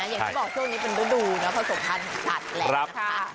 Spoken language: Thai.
อย่างที่บอกช่วงนี้เป็นฤดูเนาะประสบความสำคัญของสัตว์แหละนะครับ